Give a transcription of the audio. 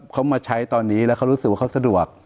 เขามาใช้ตอนนี้แล้วเขารู้สึกว่าเขาสะดวก